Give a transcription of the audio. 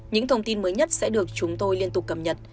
những thông tin mới nhất sẽ được chúng tôi liên tục cập nhật